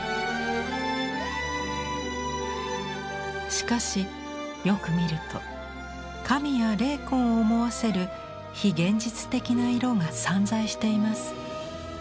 しかしよく見ると神や霊魂を思わせる非現実的な色が散在しています。